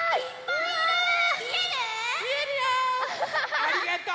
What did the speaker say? ありがとう！